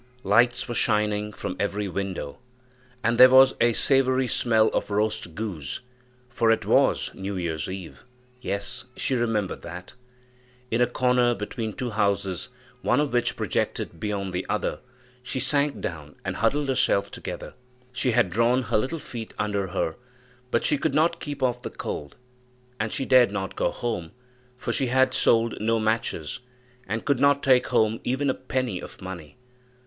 Lights were shining from every window, and there was a savory smell of roast goose, for it was New year's eve yes, she remembered that. In a corner, between two houses, one of which projected beyond the other, she sank down and huddled herself together. She had drawn her little feet under her, but she could not keep off the cold; and she dared not go home, for she had sold no matches, and could not take home even a penny of money.